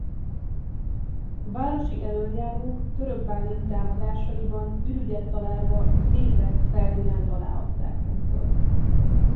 A városi elöljárók Török Bálint támadásaiban ürügyet találva végleg Ferdinánd alá adták magukat.